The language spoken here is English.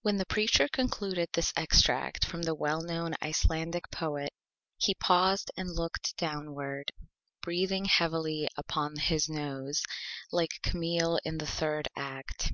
When the Preacher concluded this Extract from the Well Known Icelandic Poet he paused and looked downward, breathing heavily through his Nose, like Camille in the Third Act.